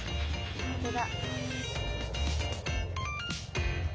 本当だ。